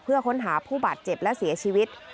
เพื่อค้นหาผู้บาดเจ็บและเสียชีวิต